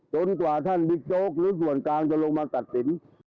กว่าท่านบิ๊กโจ๊กหรือส่วนกลางจะลงมาตัดสิน